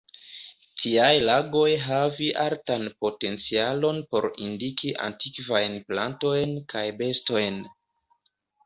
Tiaj lagoj havi altan potencialon por indiki antikvajn plantojn kaj bestojn.